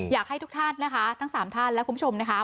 อยากให้ทุกท่านนะคะทั้งสามท่านและคุณผู้ชมนะคะ